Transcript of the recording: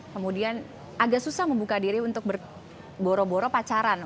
kemudian agak susah membuka diri untuk berboro boro pacaran